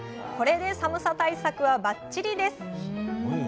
これで寒さ対策はバッチリです。